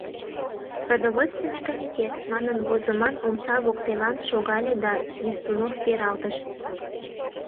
«Продовольственный комитет» манын возыман омса воктелан шогале да Свистунов пералтыш.